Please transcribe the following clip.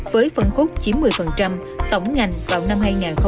với phân khúc chiếm một mươi tổng ngành vào năm hai nghìn hai mươi